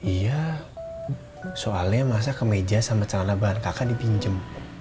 iya soalnya masa ke meja sama celana bahan kakak dibinjem